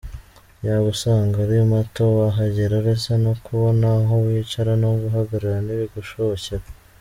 yabo usanga ari mato wahagera uretse no kubona aho wicara no guhagarara ntibigushobokere.